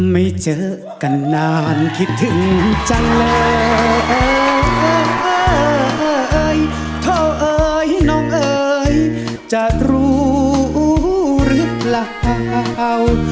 ไม่เจอกันนานคิดถึงจังเลยเอ่ยเท่าเอ่ยน้องเอ๋ยจะรู้หรือเปล่า